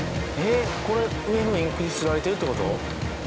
これ上のインクに刷られてるって事？